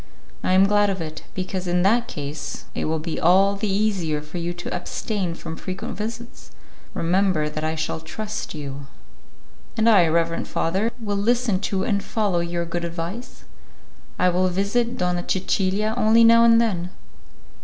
"I am glad of it, because in that case it will be all the easier for you to abstain from frequent visits. Remember that I shall trust you." "And I, reverend father; will listen to and follow your good advice. I will visit Donna Cecilia only now and then."